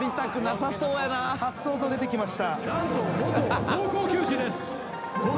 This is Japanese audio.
さっそうと出てきました。